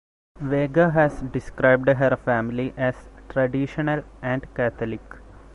Vega has described her family as "traditional" and Catholic.